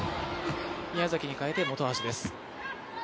宮崎に代えて本橋です。